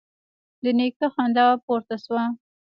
د نيکه خندا پورته شوه: